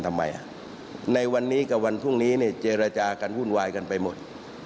ทำไมในวันนี้กับวันพรุ่งนี้เนี่ยเจรจากันวุ่นวายกันไปหมด